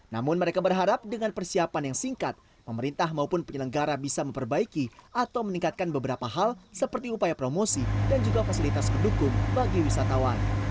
namun mereka berharap dengan persiapan yang singkat pemerintah maupun penyelenggara bisa memperbaiki atau meningkatkan beberapa hal seperti upaya promosi dan juga fasilitas pendukung bagi wisatawan